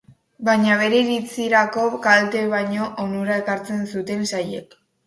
Baina bere iritzirako, kalte baino, onura ekartzen zuten saiek.